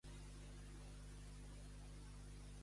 Gràcies, Lady Bracknell, prefereixo estar en peus.